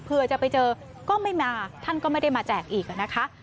เพื่อจะไปเจอก็ไม่มาท่านก็ไม่ได้มาแจกอีกนะคะ